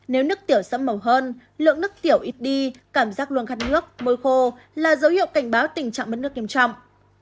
nếu nước tiểu sâm màu hơn lượng nước tiểu ít đi cảm giác luôn khăn nước môi khô là dấu hiệu cảnh báo tình trạng mất nước nghiêm trọng